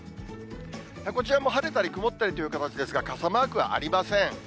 こちらも晴れたり曇ったりという形ですが、傘マークはありません。